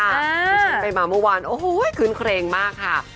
ที่ฉันไปมาเมื่อวานโอ้โหขึ้นเครงมากค่ะ